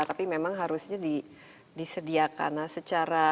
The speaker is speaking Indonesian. tapi memang harusnya disediakan secara